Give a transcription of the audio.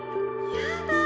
やだ